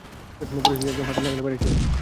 পরিস্থিতি একদম হাতের নাগালের বাইরে ছিলো।